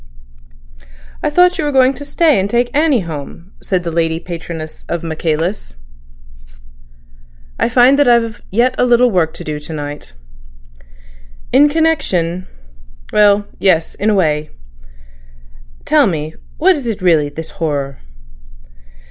"I thought you were going to stay and take Annie home," said the lady patroness of Michaelis. "I find that I've yet a little work to do to night." "In connection—?" "Well, yes—in a way." "Tell me, what is it really—this horror?"